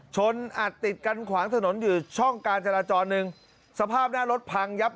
อัดติดกันขวางถนนอยู่ช่องการจราจรหนึ่งสภาพหน้ารถพังยับ